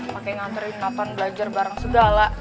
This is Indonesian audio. pakai nganturin nathan belajar bareng segala